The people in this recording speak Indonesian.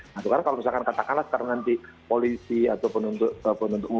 nah sekarang kalau misalkan katakanlah sekarang nanti polisi atau penuntut umum